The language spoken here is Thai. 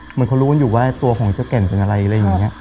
เหมือนเขารู้กันอยู่ว่าตัวของเจ้าแก่นเป็นอะไรอะไรอย่างนี้